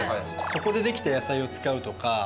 そこでできた野菜を使うとか